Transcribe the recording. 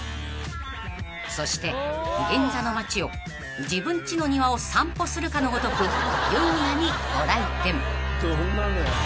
［そして銀座の街を自分ちの庭を散歩するかのごとく優雅にご来店］